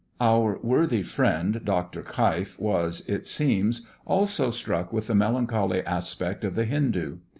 Our worthy friend, Dr. Keif was, it seems, also struck with the melancholy aspect of the Hindoo.